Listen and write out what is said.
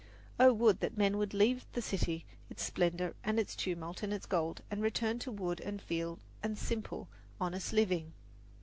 Oh, would that men would leave the city, its splendour and its tumult and its gold, and return to wood and field and simple, honest living!